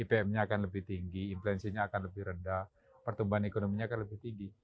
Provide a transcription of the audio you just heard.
bpm nya akan lebih tinggi inflasinya akan lebih rendah pertumbuhan ekonominya akan lebih tinggi